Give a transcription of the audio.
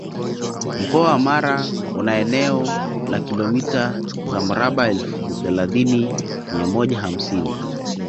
Mkoa wa Mara una eneo la kilomita za mraba elfu thelathini mia moja hamsini